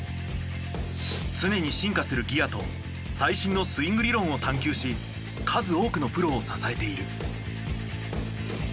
常に進化するギアと最新のスイング理論を探求し数多くのプロを支えている。